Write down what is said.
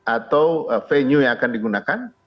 atau venue yang akan digunakan